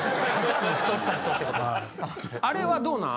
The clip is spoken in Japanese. あれはどうなん？